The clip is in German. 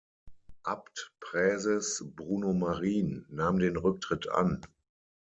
Abtpräses Bruno Marin nahm den Rücktritt an.